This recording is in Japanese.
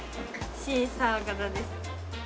シーサー柄です。